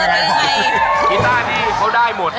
กีต้านี่เขาได้หมด